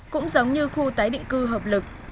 cũng giống như khu tái định cư hợp lực